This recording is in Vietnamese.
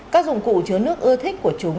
các dụng cụ chứa nước ưa thích của chúng